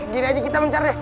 gini aja kita mencar deh